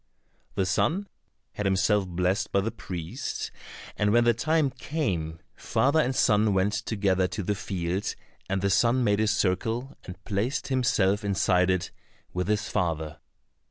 The son had himself blessed by the priest, and when the time came, father and son went together to the field, and the son made a circle and placed himself inside it with his father.